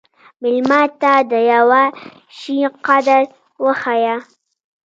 مېلمه ته د یوه شي قدر وښیه.